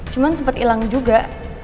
cuman sempet ilang juga